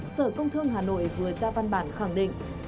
sở công thương hà nội vừa ra văn bản khẳng định